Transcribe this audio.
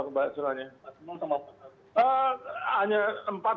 potensi itu berapa